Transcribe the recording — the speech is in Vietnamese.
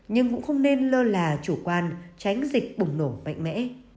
nhưng cũng không nên lơ là chủ quan tránh dịch bùng nổ mạnh mẽ